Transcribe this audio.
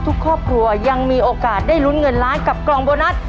ทุกครอบครัวยังมีโอกาสได้ลุ้นเงินล้านกับกล่องโบนัส